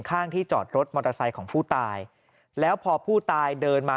ข้างที่จอดรถมอเตอร์ไซค์ของผู้ตายแล้วพอผู้ตายเดินมา